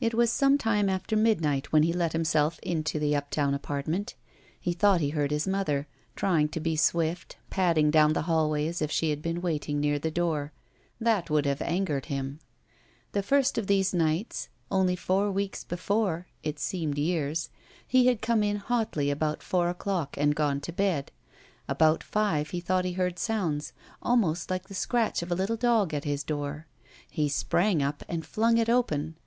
It was some time after midnight when he let him self into the uptown apartment. He thought he heard his mother, trjong to be swift, padding down the hallway as if she had been waiting near the door. That would have angered him. The first of these nights, only four wedcs before (it seemed years), he had come in hotly about four 252 ROULETTE o'clock and gone to bed. About five he thought he heard sounds, ahnost like the scratch of a little dog at his door. He sprang up and fituig it open.